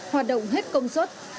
hoạt động hết công suất